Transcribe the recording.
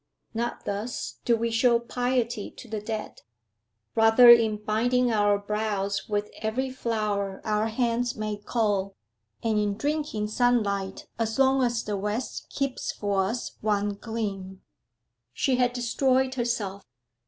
Not thus do we show piety to the dead; rather in binding our brows with every flower our hands may cull, and in drinking sunlight as long as the west keeps for us one gleam. She had destroyed herself.